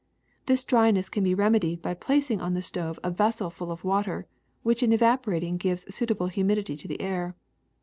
This dryness can be remedied by placing on the stove a vessel full of water, which in evaporating gives suitable humidity to the air.